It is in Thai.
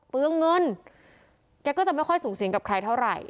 เปลืองเงินแกก็จะไม่ค่อยสูงสิงกับใครเท่าไหร่